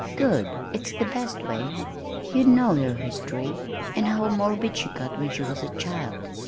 "Good! It's the best way. You know her history, and how morbid she got when she was a child.